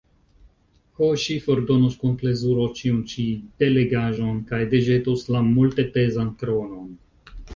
Ho, ŝi fordonus kun plezuro ĉiun ĉi belegaĵon kaj deĵetus la multepezan kronon!